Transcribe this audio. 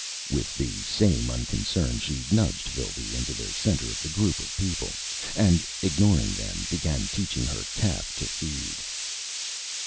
With the same unconcern, she nudged Phildee into the center of the group of people, and, ignoring them, began teaching her calf to feed.